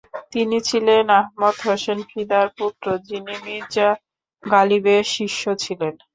তিনি ছিলেন আহমদ হোসেন ফিদার পুত্র, যিনি মির্জা গালিবের শিষ্য ছিলেন।